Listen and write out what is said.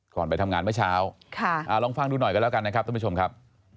ไปทำงานเมื่อเช้าลองฟังดูหน่อยกันแล้วกันนะครับท่านผู้ชมครับ